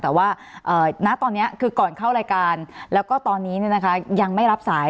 แต่ว่าณตอนนี้คือก่อนเข้ารายการแล้วก็ตอนนี้ยังไม่รับสาย